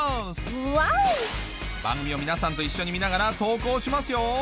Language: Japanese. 番組を皆さんと一緒に見ながら投稿しますよ！